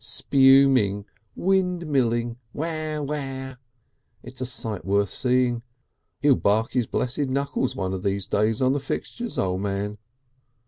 Spuming! Windmilling! Waw, waw! It's a sight worth seeing. He'll bark his blessed knuckles one of these days on the fixtures, O' Man."